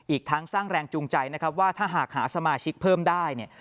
อีกทั้งสร้างแรงจูงใจนะครับว่าถ้าหากหาสมาชิกเพิ่มได้เนี่ย